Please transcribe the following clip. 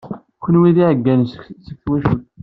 Kenwi d iɛeggalen seg twacult.